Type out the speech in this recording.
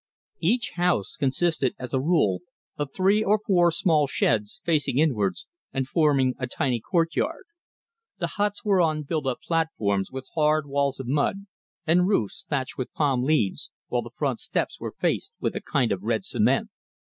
Each house consisted, as a rule, of three or four small sheds, facing inwards, and forming a tiny courtyard. The huts were on built up platforms, with hard walls of mud, and roofs thatched with palm leaves, while the front steps were faced with a kind of red cement.